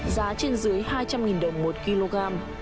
giá trên dưới hai trăm linh đồng một kg